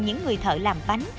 những người thợ làm bánh